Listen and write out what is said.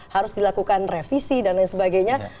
harus dilakukan revisi dan lain sebagainya